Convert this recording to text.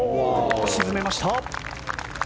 沈めました。